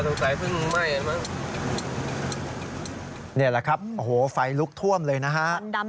นี่แหละครับโอ้โหไฟลุกท่วมเลยนะฮะ